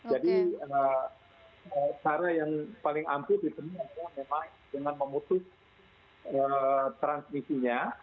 jadi cara yang paling ampuh ditemukan memang dengan memutus transmisinya